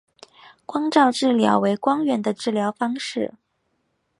光照治疗为光源的治疗方式。